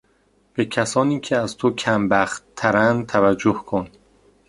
به کسانی که از تو کمبختترند توجه کن.